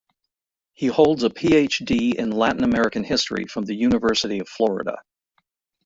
He holds a Ph.D. in Latin American History from the University of Florida.